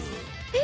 え